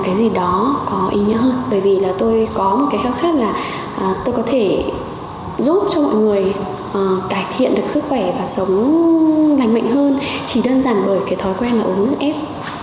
chỉ đơn giản bởi cái thói quen là uống nước ép